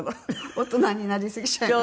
大人になりすぎちゃいました。